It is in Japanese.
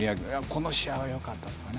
この試合はよかったとか。